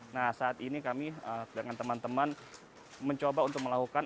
nah saat ini kami dengan teman teman mencoba untuk melakukan